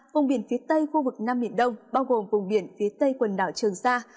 vùng biển phía tây khu vực nam biển đông bao gồm vùng biển phía tây quần đảo trường sa